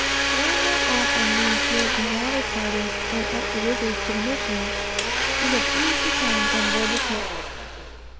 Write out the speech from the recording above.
While not off, on these wood and water parties, or up the rivers to the missions, we had very easy times on board the ship.